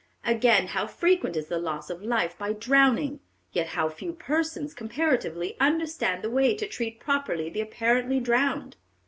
Again, how frequent is the loss of life by drowning; yet how few persons, comparatively, understand the way to treat properly the apparently drowned."